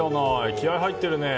気合が入ってるね。